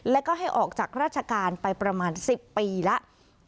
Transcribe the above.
แล้วก็ให้ออกจากราชการไปประมาณ๑๐ปีแล้ว